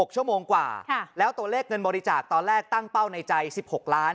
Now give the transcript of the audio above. ๖ชั่วโมงกว่าแล้วตัวเลขเงินบริจาคตอนแรกตั้งเป้าในใจ๑๖ล้าน